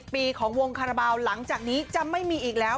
ปีของวงคาราบาลหลังจากนี้จะไม่มีอีกแล้ว